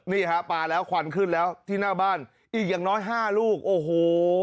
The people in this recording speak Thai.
นี่ฮะปลาแล้วควันขึ้นแล้วที่หน้าบ้านอีกอย่างน้อยห้าลูกโอ้โห